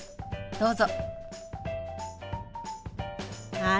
どうぞ。